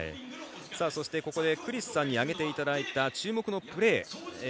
そして、ここでクリスさんに挙げていただいた注目のプレー。